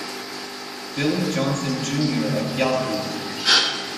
Billy Johnson Junior of Yahoo!